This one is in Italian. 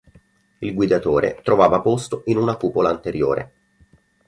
Il guidatore trovava posto in una cupola anteriore.